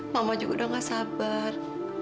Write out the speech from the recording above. pak mama juga udah nggak sabar